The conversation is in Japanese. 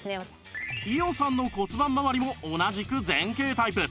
伊代さんの骨盤まわりも同じく前傾タイプ